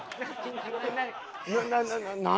何？